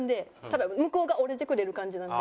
ただ向こうが折れてくれる感じなんで。